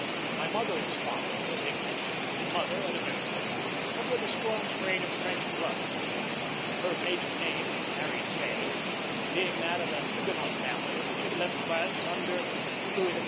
My mother's father was English, her mother an American, but with a strong strain of French blood; her maiden name, Mary Jay, being that of a Huguenot family which had left France under Louis XIV.